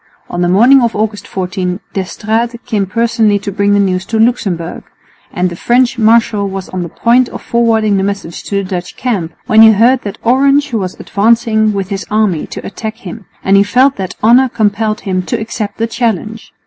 On the morning of August 14 D'Estrades came personally to bring the news to Luxemburg; and the French marshal was on the point of forwarding the message to the Dutch camp, when he heard that Orange was advancing with his army to attack him, and he felt that honour compelled him to accept the challenge.